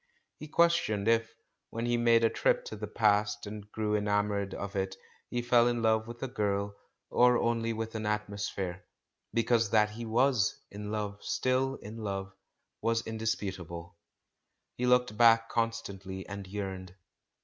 He questioned if, when he made a trip to the past and grew enamoured of it, he fell in love with a girl, or only with an atmosphere. Because that he was in love, still in love, was indisputable ; he looked back constantly and yearned.